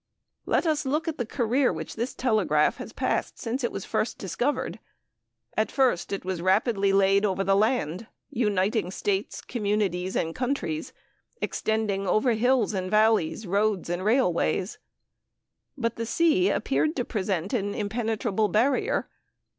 And let us look at the career which this telegraph has passed since it was first discovered. At first it was rapidly laid over the land, uniting states, communities, and countries, extending over hills and valleys, roads and railways; but the sea appeared to present an impenetrable barrier.